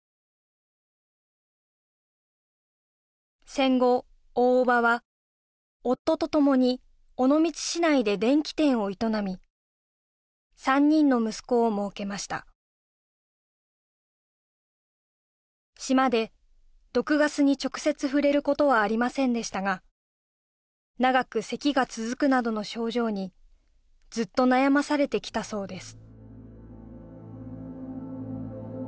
戦後大伯母は夫とともに尾道市内で電気店を営み３人の息子をもうけました島で毒ガスに直接触れることはありませんでしたが長くせきが続くなどの症状にずっと悩まされてきたそうです